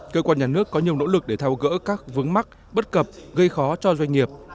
cơ quan nhà nước có nhiều nỗ lực để thao gỡ các vướng mắc bất cập gây khó cho doanh nghiệp